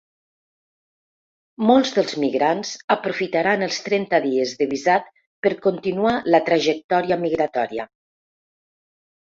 Molts dels migrants aprofitaran els trenta dies de visat per continuar la trajectòria migratòria.